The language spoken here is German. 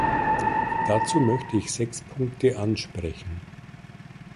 Dazu möchte ich sechs Punkte ansprechen.